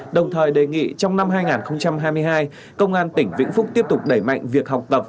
đồng thời đề nghị trong năm hai nghìn hai mươi hai công an tỉnh vĩnh phúc tiếp tục đẩy mạnh việc học tập